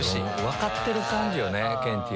分かってる感じよねケンティー。